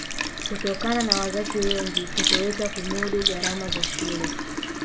Kutokana na wazazi wengi kutoweza kumudu gharama za shule